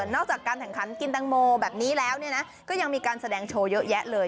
จากการแข่งขันกินแตงโมแบบนี้แล้วก็ยังมีการแสดงโชว์เยอะแยะเลย